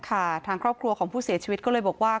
ทางครอบครัวของผู้เสียชีวิตก็เลยบอกว่า